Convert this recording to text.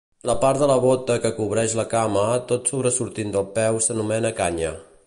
La part de la bota que cobreix la cama tot sobresortint del peu s'anomena canya.